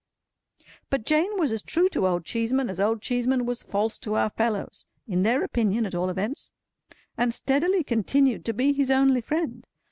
But Jane was as true to Old Cheeseman as Old Cheeseman was false to our fellows—in their opinion, at all events—and steadily continued to be his only friend.